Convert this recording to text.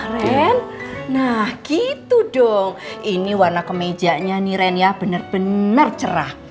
ren nah gitu dong ini warna kemejanya nih ren ya bener bener cerah